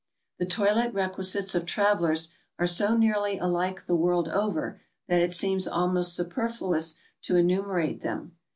The 1:oilet requisites of travelers are so nearly alike the world over, that it seems almost superfluous to enumerate them.